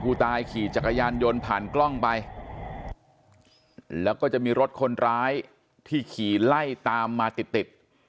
ผู้ตายขี่จักรยานยนต์ผ่านกล้องไปแล้วก็จะมีรถคนร้ายที่ขี่ไล่ตามมาติดติด